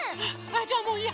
じゃあもういいや！